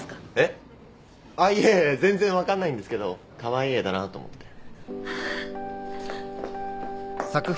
あっいえいえ全然分かんないんですけどカワイイ絵だなと思って。